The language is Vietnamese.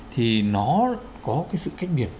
thì nó có cái sự cách biệt